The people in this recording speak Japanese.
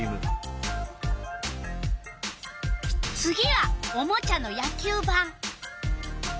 次はおもちゃの野球ばん。